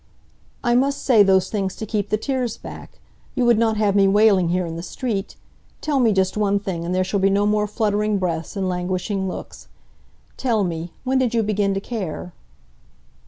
"I must say those things to keep the tears back. You would not have me wailing here in the street. Tell me just one thing, and there shall be no more fluttering breaths and languishing looks. Tell me, when did you begin to care?"